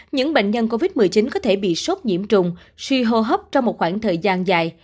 những bệnh nhân covid một mươi chín có thể bị sốc nhiễm trùng suy hô hấp trong một khoảng thời gian dài